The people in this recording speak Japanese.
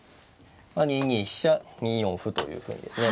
２二飛車２四歩というふうにですね